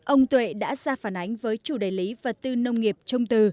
ông tuệ đã ra phản ánh với chủ đại lý và tư nông nghiệp trong từ